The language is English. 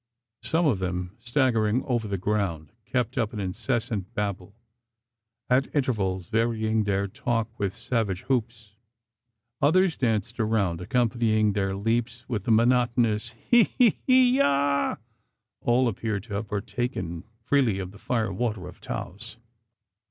Some of them staggering over the ground, kept up an incessant babble at intervals varying their talk with savage whoops. Others danced around accompanying their leaps with the monotonous "hi hi hi ya." All appeared to have partaken freely of the fire water of Taos.